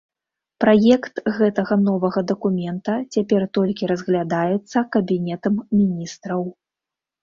Праект гэтага новага дакумента цяпер толькі разглядаецца кабінетам міністраў.